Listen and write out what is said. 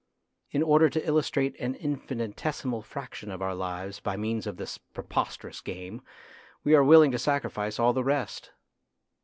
In order to illustrate an infinitesimal fraction of our lives by means of this preposterous game we are willing to sacrifice all the rest.